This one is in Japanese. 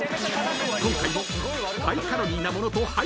［今回も］